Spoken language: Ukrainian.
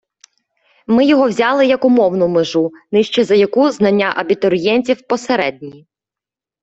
Ми його взяли як умовну межу, нижче за яку знання абітурієнтів посередні.